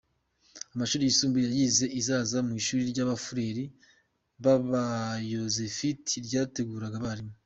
Amashuri yisumbuye yayize i Zaza mu ishuri ry’Abafureri b’Abayozefiti ryateguraga abarimu.